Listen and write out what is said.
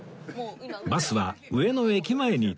バスは上野駅前に到着